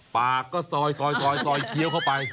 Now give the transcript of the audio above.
ปากก็ซอยเคี้ยวเข้าไป